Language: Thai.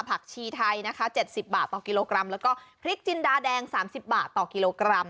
ผักชีไทยนะคะ๗๐บาทต่อกิโลกรัมแล้วก็พริกจินดาแดง๓๐บาทต่อกิโลกรัม